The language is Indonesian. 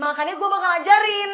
makanya gua bakal ajarin